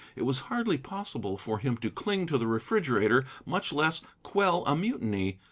It was hardly possible for him to cling to the refrigerator, much less quell a mutiny.